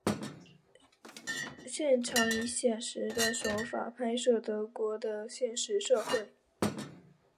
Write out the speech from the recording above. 擅长以写实的手法拍摄德国的现实社会。